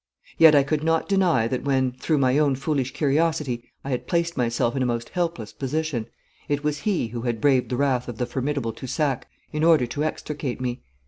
Yet I could not deny that when, through my own foolish curiosity, I had placed myself in a most hopeless position, it was he who had braved the wrath of the formidable Toussac in order to extricate me.